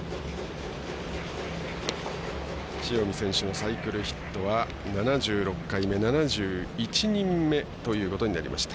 塩見選手のサイクルヒットは７６回目７１人目ということになりました。